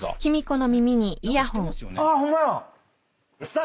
ホンマや！